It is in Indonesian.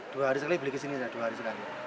dua hari sekali beli kesini dua hari sekali